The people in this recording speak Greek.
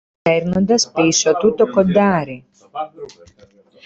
σέρνοντας πίσω του το κοντάρι.